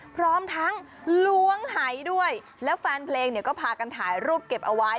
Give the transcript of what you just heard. พร้อมทั้งล้วงหายด้วยแล้วแฟนเพลงเนี่ยก็พากันถ่ายรูปเก็บเอาไว้